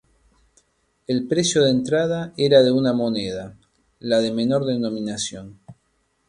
El precio de entrada era de una moneda, la de menor denominación.